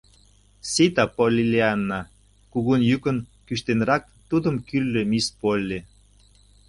— Сита, Поллианна, — кугу йӱкын, кӱштенрак тудым кӱрльӧ мисс Полли.